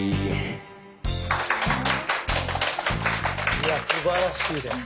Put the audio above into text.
いやすばらしいね。